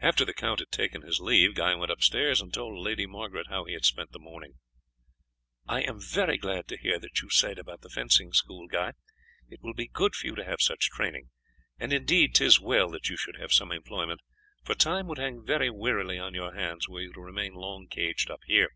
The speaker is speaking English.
After the count had taken his leave Guy went upstairs and told Lady Margaret how he had spent the morning. "I am very glad to hear what you say about the fencing school, Guy; it will be good for you to have such training. And indeed 'tis well that you should have some employment, for time would hang but wearily on your hands were you to remain long caged up here.